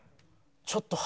ちょっと。